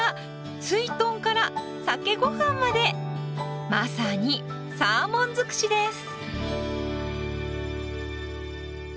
すいとんからサケご飯までまさにサーモン尽くしです。